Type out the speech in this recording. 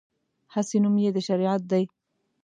هسې نوم یې د شریعت دی.